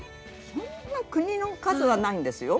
そんな国の数はないんですよ。